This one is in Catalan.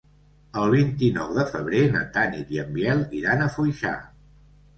El vint-i-nou de febrer na Tanit i en Biel iran a Foixà.